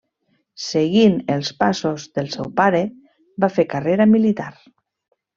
Seguint els passos del seu pare, va fer carrera militar.